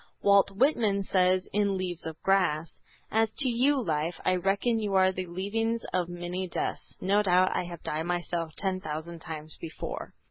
Walt Whitman says in "Leaves of Grass:" "As to you, Life, I reckon you are the leavings of many deaths, No doubt I have died myself ten thousand times before."